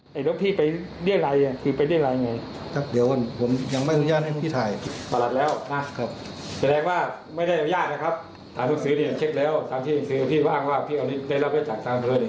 เช็คแล้วทางที่คือพี่อ้างว่าพี่ได้รับไว้จากทางเผลอเอง